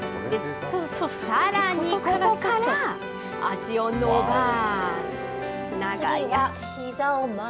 さらにここから、足を伸ばす。